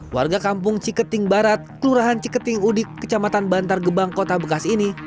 warga kampung ciketing barat kelurahan ciketing udik kecamatan bantar gebang kota bekasi ini